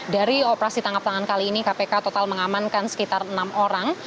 dari operasi tangkap tangan kali ini kpk total mengamankan sekitar enam orang